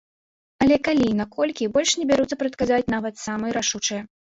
Але калі і наколькі, больш не бяруцца прадказаць нават самыя рашучыя.